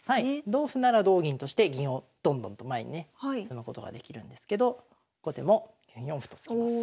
同歩なら同銀として銀をどんどんと前にね進むことができるんですけど後手も４四歩と突きます。